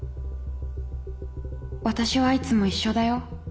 私はいつも一緒だよ